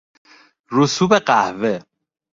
رسوب قهوه